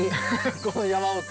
この山奥。